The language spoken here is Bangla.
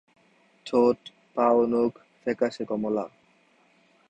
ঠোঁট, পা ও নখ ফ্যাকাশে কমলা।